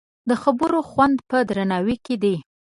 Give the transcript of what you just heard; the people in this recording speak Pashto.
د خبرو خوند په درناوي کې دی